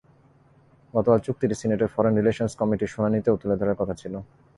গতকাল চুক্তিটি সিনেটের ফরেন রিলেশনস কমিটির শুনানিতেও তুলে ধরার কথা ছিল।